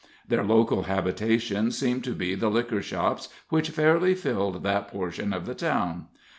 Their local habitations seemed to be the liquor shops which fairly filled that portion of the town.